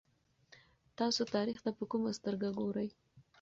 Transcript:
تاسو تاریخ ته په کومه سترګه ګورئ؟